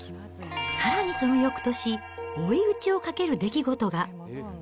さらにそのよくとし、追い打ちをかける出来事が。